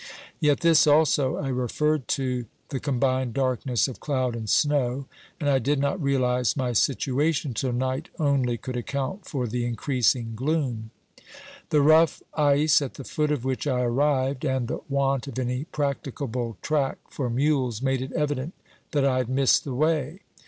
Yet this also I referred to the com bined darkness of cloud and snow, and I did not realise my situation till night only could account for the increasing gloom. The rough ice at the foot of which I arrived and the want of any practicable track for mules made it evident that I had missed the way.